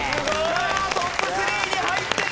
さあトップ３に入ってきました！